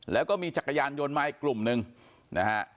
แล้วก็มีจักรยานยนต์ไม้กลุ่มนึงนะฮะ